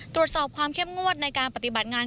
ตรวจสอบความเข้มงวดในการปฏิบัติงาน